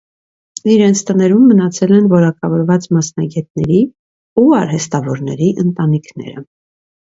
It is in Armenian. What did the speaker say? Իրենց տներում մնացել են որակավորված մասնագետների ու արհեստավորների ընտանիքները։